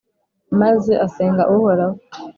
maze asenga Uhoraho,